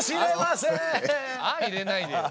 入れないでよ。